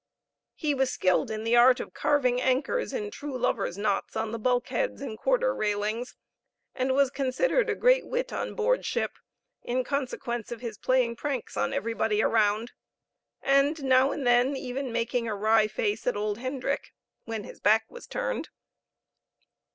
He was skilled in the art of carving anchors and true lovers' knot on the bulk heads and quarter railings, and was considered a great wit on board ship, in consequence of his playing pranks on everybody around, and now and then even making a wry face at old Hendrick when his back was turned.